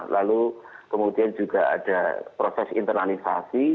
lalu kemudian juga ada proses internalisasi